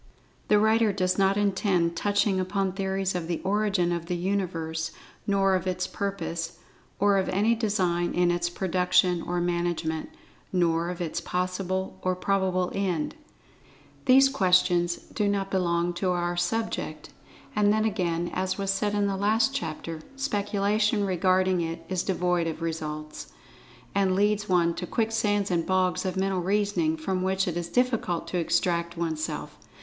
The writer does not intend touching upon theories of the origin of the Universe, nor of its purpose, or of any design in its production or management, nor of its possible or probable end. These questions do not belong to our subject, and then again, as was said in the last chapter, speculation regarding it is devoid of results, and leads one to quicksands and bogs of mental reasoning, from which it is difficult[Pg 21] to extract oneself.